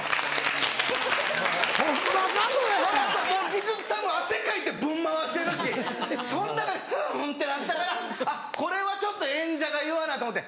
技術さんも汗かいてぶん回してるしそん中で「はぁ」ってなったからあっこれはちょっと演者が言わなと思って。